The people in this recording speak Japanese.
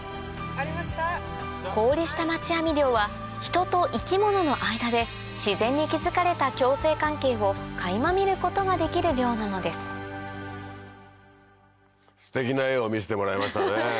氷下待ち網漁は人と生き物の間で自然に築かれた共生関係を垣間見ることができる漁なのですステキな画を見せてもらいましたね！